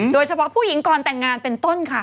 โดยเฉพาะผู้หญิงก่อนแต่งงานเป็นต้นค่ะ